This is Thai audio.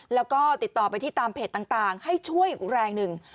แล้วก็ติดต่อไปที่ตามเพจต่างให้ช่วยอีกแรงหนึ่ง